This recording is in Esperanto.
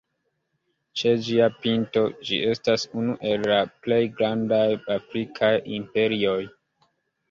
Ĉe ĝia pinto, ĝi estas unu el la plej grandaj afrikaj imperioj.